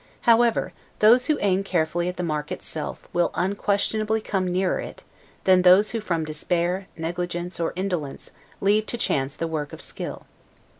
However, those who aim carefully at the mark itself, will unquestionably come nearer it, than those who from despair, negligence, or indolence, leave to chance the work of skill.